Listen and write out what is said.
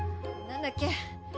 何だっけ？